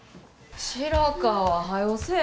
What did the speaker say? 白川はよせぇ。